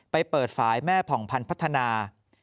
ไปเปิดฝ่ายแม่ผ่องพันธ์พัฒนา